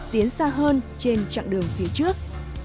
tiến xa hơn trên chặng đường phía trước